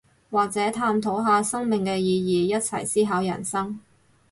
或者探討下生命嘅意義，一齊思考人生